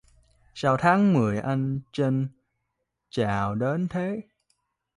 Sao tháng mười anh chênh chao đến thế!